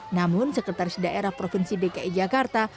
namun sekretaris daerah provinsi dki jakarta